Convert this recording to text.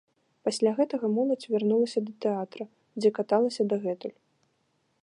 Пасля гэтага моладзь вярнулася да тэатра, дзе каталася дагэтуль.